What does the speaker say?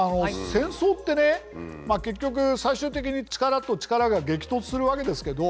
戦争ってね結局最終的に力と力が激突するわけですけど。